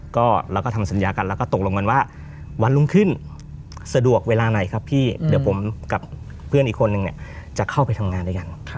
ก็เราก็ทำสัญญากันแล้วก็ตกลงกันว่าวันรุ่งขึ้นสะดวกเวลาไหนครับพี่เดี๋ยวผมกับเพื่อนอีกคนนึงเนี่ยจะเข้าไปทำงานได้ยัง